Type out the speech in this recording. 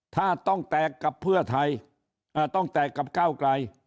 ถ้าต้องแตกกับเก้าไกร